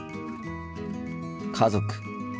家族。